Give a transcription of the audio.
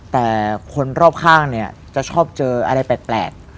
แต่คนรอบข้างเนี่ยจะชอบเจออะไรแปลก